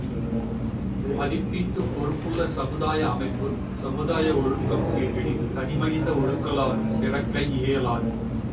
மதிப்பீட்டுப் பொறுப்புள்ள சமுதாய அமைப்பு, சமுதாய ஒழுக்கம் சீர்கெடின் தனிமனித ஒழுகலாறும் சிறக்க இயலாது.